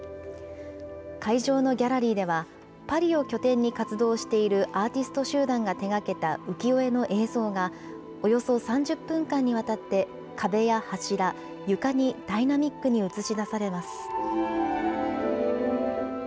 会場のギャラリーでは、パリを拠点に活動しているアーティスト集団が手がけた浮世絵の映像が、およそ３０分間にわたって壁や柱、床にダイナミックに映し出されます。